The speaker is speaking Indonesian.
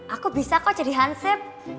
aku bisa kok jadi hanset